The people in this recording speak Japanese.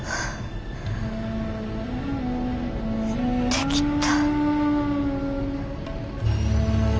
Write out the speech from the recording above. できた。